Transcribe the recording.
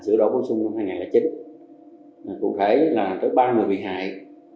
sửa đổ cuốn sung năm hai nghìn chín cụ thể là tới ba mươi người bị hại